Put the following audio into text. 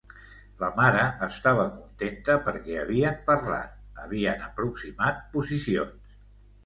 La mare estava contenta perquè havien parlat, havien aproximat posicions.